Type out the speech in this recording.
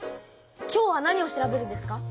今日は何を調べるんですか？